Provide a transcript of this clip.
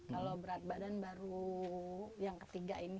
kalau berat badan baru yang ketiga ini